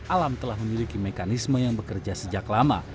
alam telah memiliki mekanisme yang bekerja sejak lama